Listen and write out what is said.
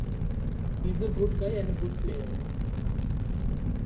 He's a good guy and a good player.